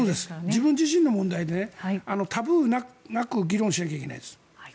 自分自身の問題でタブーなく議論しなきゃいけないです。